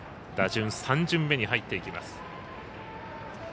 打順３巡目に入っていきます。